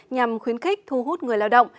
nhằm khuyến khích thu hút người lao động